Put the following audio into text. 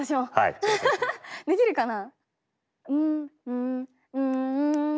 できるかな？